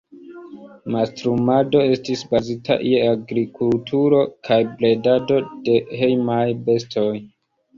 Mastrumado estis bazita je agrikulturo kaj bredado de hejmaj bestoj.